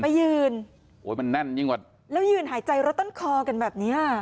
มายืนโอ้ยมันแน่นยิ่งกว่าแล้วยืนหายใจรถต้นคอกันแบบเนี้ย